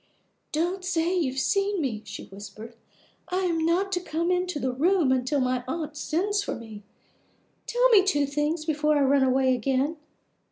"Don't say you have seen me," she whispered. "I am not to come into the room till my aunt sends for me. Tell me two things before I run away again.